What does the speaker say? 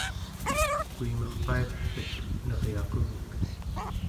kuimarpailegpet neryaqunak